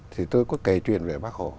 thì tôi có kể chuyện về bác hồ